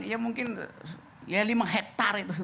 ya mungkin ya lima hektar itu